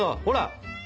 ほら！